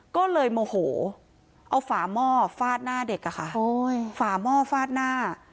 ก็เลยโมโหเอาฝาหม้อฟาดหน้าเด็กอะค่ะฝาหม้อฟาดหน้า